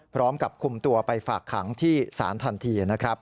พร้อมกับคุมตัวไปฝากขังที่ศาลทันทีนะครับ